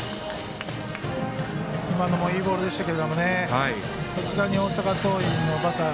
今のもいいボールでしたがさすがに大阪桐蔭のバッター